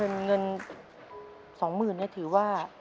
เงิน๒๐๐๐๐บาทถือว่า